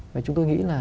và chúng tôi nghĩ là